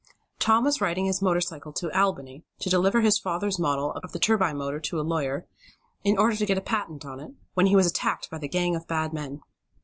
Tom was riding his motorcycle to Albany, to deliver his father's model of the turbine motor to a lawyer, in order to get a patent on it, when he was attacked by the gang of bad men.